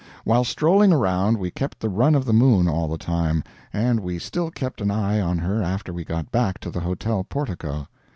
While strolling around, we kept the run of the moon all the time, and we still kept an eye on her after we got back to the hotel portico.